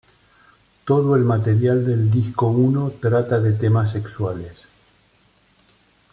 Todo el material del disco uno trata de temas sexuales.